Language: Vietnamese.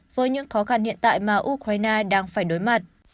với những khó khăn hiện tại mà ukraine đang phải đối mặt